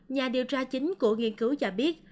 nhà điều tra chính của nghiên cứu cho biết